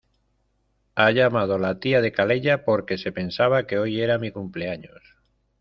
Ha llamado la tía de Calella porque se pensaba que hoy era mi cumpleaños.